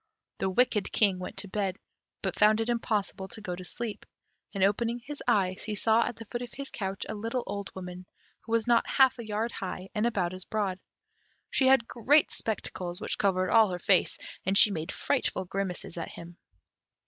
The wicked King went to bed, but found it impossible to go to sleep, and opening his eyes, he saw at the foot of his couch a little old woman, who was not half a yard high, and about as broad; she had great spectacles, which covered all her face, and she made frightful grimaces at him.